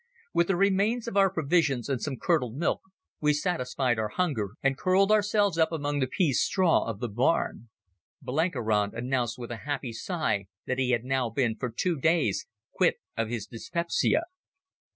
With the remains of our provisions and some curdled milk we satisfied our hunger and curled ourselves up among the pease straw of the barn. Blenkiron announced with a happy sigh that he had now been for two days quit of his dyspepsia.